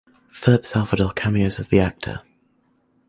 Phillip Salvador cameos as "the actor".